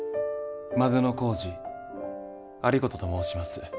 万里小路有功と申します。